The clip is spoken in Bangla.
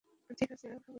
ঠিকআছে, আর খাবো না, খুশি?